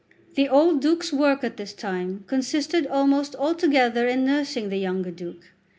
The old Duke's work at this time consisted almost altogether in nursing the younger Duke.